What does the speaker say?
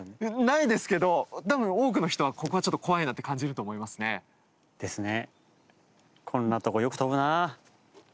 ないですけど多分多くの人はここはちょっと怖いなって感じると思いますね。ですね。